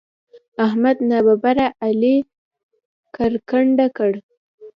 احمد ناببره علي کرکنډه کړ.